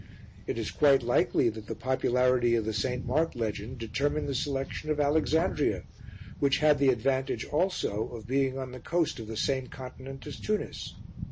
It is quite likely that the popularity of the St. Mark legend determined the selection of Alexandria, which had the advantage also of being on the coast of the same continent as Tunis.